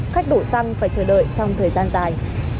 khách đổ xăng phải chờ đợi trong thời gian dài